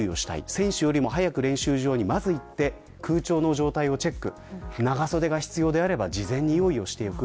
選手よりも早く練習場へ行って空調の状態をチェックし長袖が必要であれば事前に用意しておく。